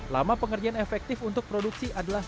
lama pekerjaan efektif untuk produksi adalah tujuh tiga jam